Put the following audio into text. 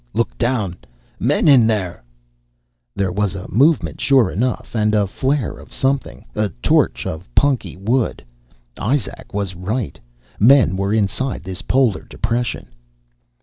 "Mmm! Look down. Men in there." There was a movement, sure enough, and a flare of something a torch of punky wood. Izak was right. Men were inside this polar depression.